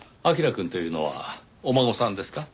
彬くんというのはお孫さんですか？